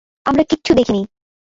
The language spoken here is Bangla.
আমরা কিচ্ছু দেখিনি।